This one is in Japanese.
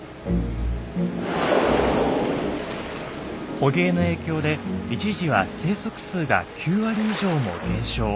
捕鯨の影響で一時は生息数が９割以上も減少。